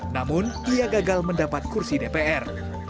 namun ia gagal mendapat kursi dpr